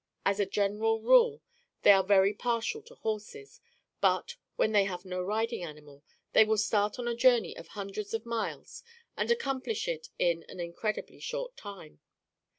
As a general rule, they are very partial to horses, but, when they have no riding animal, they will start on a journey of hundreds of miles and accomplish it in an incredibly short time.